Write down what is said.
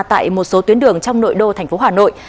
tại một số tuyến đường trong nội đô thành phố hà nội